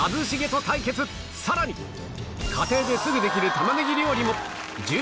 さらに家庭ですぐできる玉ねぎ料理も